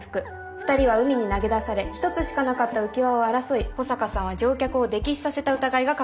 ２人は海に投げ出され一つしかなかった浮き輪を争い保坂さんは乗客を溺死させた疑いがかかっています。